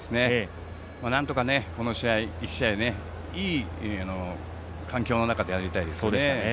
なんとか、この試合１試合、いい環境の中でやりたいですよね。